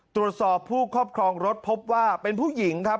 ตรวจสอบผู้ครอบครองรถพบว่าเป็นผู้หญิงครับ